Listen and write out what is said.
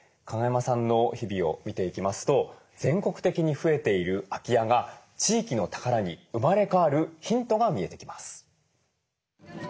加賀山さんの日々を見ていきますと全国的に増えている空き家が地域の宝に生まれ変わるヒントが見えてきます。